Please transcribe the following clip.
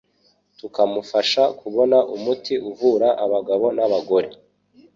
tukamufasha kubona umuti uvura abagabo n'abagore